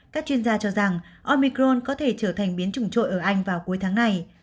các chuyên gia cho rằng omicron có thể trở thành biến chủng trội ở anh vào cuối tháng này